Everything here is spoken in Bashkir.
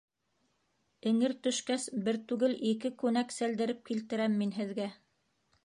Эңер төшкәс, бер түгел, ике күнәк сәлдереп килтерәм мин һеҙгә.